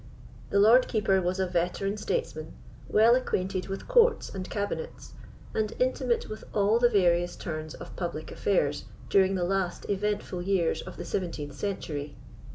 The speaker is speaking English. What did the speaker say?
The Lord Keeper was a veteran statesman, well acquainted with courts and cabinets, and intimate with all the various turns of public affairs during the last eventful years of the 17th century.